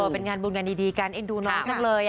เป็นงานบุญงานดีการเอ็นดูน้องจังเลย